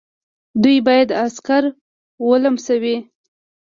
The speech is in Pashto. دوی باید عسکر ولمسوي.